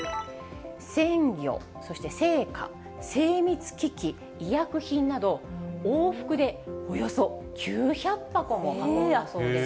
鮮魚、そして青果、精密機器、医薬品など、往復でおよそ９００箱も運んだそうです。